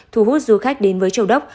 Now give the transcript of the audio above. thu hút du khách đến với châu đốc